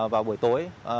vào buổi tối